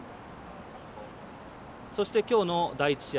そして、きょうの第１試合